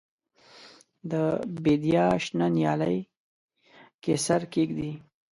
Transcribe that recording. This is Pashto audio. د بیدیا شنه نیالۍ کې سر کښېږدي